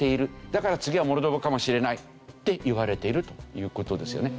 だから次はモルドバかもしれないって言われているという事ですよね。